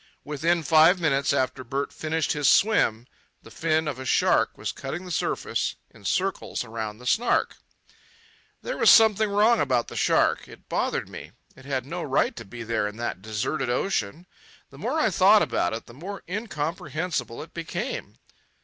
Within five minutes after Bert finished his swim, the fin of a shark was cutting the surface in circles around the Snark. There was something wrong about that shark. It bothered me. It had no right to be there in that deserted ocean. The more I thought about it, the more incomprehensible it became.